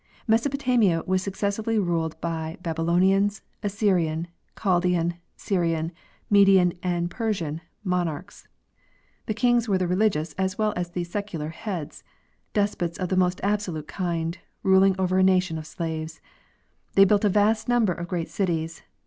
Mesopotamia was successively ruled by Babylonian, Assyrian, Chaldean, Syrian, Median, and Persian monarchs. The kings were the religious as well as the secular heads, despots of the most absolute kind, ruling over a nation of slaves. They built a vast number of great cities.